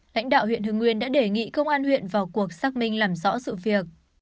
lãnh đạo huyện hương nguyên đã đề nghị công an huyện vào cuộc xác minh làm rõ sự việc